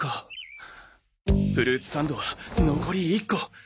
フルーツサンドは残り１個。